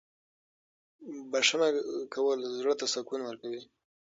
بښنه کول زړه ته سکون ورکوي.